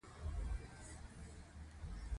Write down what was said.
چې پرې وياړم هغه درې را باندي ګران دي